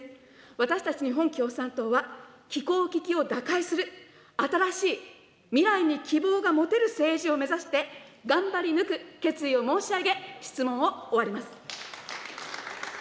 私たち、日本共産党は、気候危機を打開する、新しい、未来に希望が持てる政治を目指して、頑張り抜く決意を申し上げ、質問を終わります。